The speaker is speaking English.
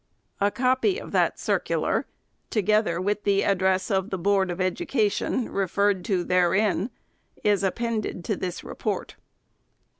A copy of that circular, together with the Address of the Board of Education, referred to therein, is appended to this report.